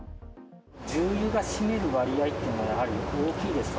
重油が占める割合っていうのは、やはり大きいですか？